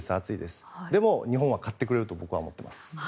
でも、日本は勝ってくれると僕は思っています。